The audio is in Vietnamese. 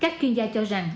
các chuyên gia cho rằng